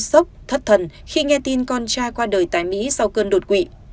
sốc thất thần khi nghe tin con trai qua đời tại mỹ sau cơn đột quỵ